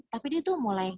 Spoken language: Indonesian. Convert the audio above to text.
tapi dia tuh mulai